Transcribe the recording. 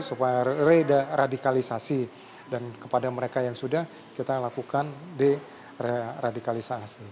supaya rada radikalisasi dan kepada mereka yang sudah kita lakukan de radikalisasi